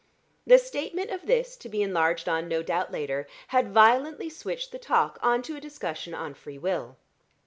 The statement of this, to be enlarged on no doubt later, had violently switched the talk on to a discussion on free will.